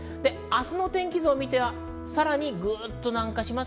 明日の天気図を見ると、さらにグッと南下します。